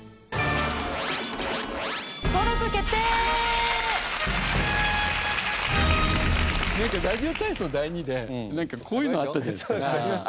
登録決定！っていうかラジオ体操第２でなんかこういうのあったじゃないですか。